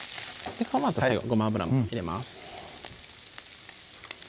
このあとごま油も入れます